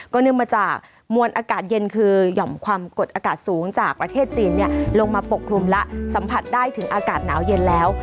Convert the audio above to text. เนื่องมาจากมวลอากาศเย็นคือหย่อมความกดอากาศสูงจากประเทศจีนลงมาปกคลุมแล้วสัมผัสได้ถึงอากาศหนาวเย็นแล้ว